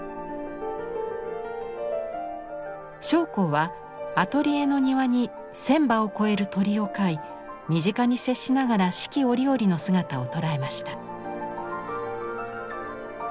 松篁はアトリエの庭に１，０００羽を超える鳥を飼い身近に接しながら四季折々の姿を捉えました。